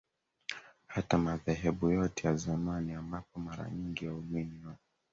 hata madhehebu yote ya zamani ambapo mara nyingi waumini wa